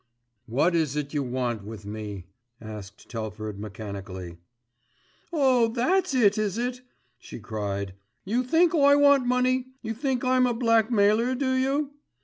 "What is it you want with me?" asked Telford mechanically. "Oh! that's it, is it," she cried. "You think I want money. You think I'm a blackmailer, do you?